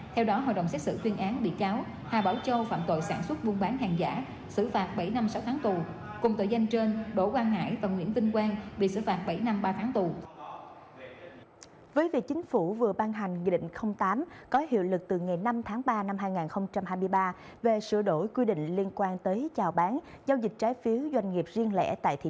theo đó hội đồng xét xử tuyên án bị cáo hà bảo châu phạm tội sản xuất buôn bán hàng giả xử phạt bảy năm sáu tháng tù